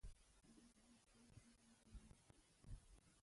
هغه زمونږ دي کلې یو لیونی شخص دی.